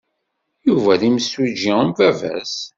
Yuba d imsujji am baba-s.